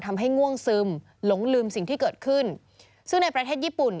ง่วงซึมหลงลืมสิ่งที่เกิดขึ้นซึ่งในประเทศญี่ปุ่น